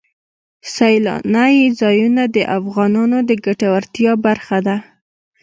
سیلانی ځایونه د افغانانو د ګټورتیا برخه ده.